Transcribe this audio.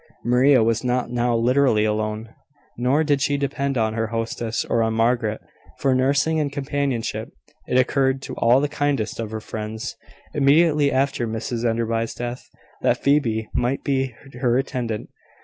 Maria was not now literally alone; nor did she depend on her hostess or on Margaret for nursing and companionship. It occurred to all the kindest of her friends, immediately after Mrs Enderby's death, that Phoebe might be her attendant.